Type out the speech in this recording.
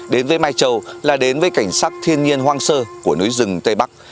đến với mai châu là đến với cảnh sắc thiên nhiên hoang sơ của núi rừng tây bắc